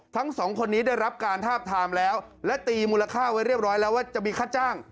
ทั้งสองคนนี้ได้รับการทาบทามแล้วและตีมูลค่าไว้เรียบร้อยแล้วว่าจะมีค่าจ้าง